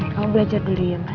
kamu belajar dulu ya mas ya